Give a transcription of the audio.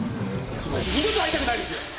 二度と会いたくないですよ！